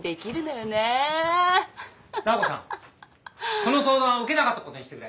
ダー子さんこの相談は受けなかったことにしてくれ！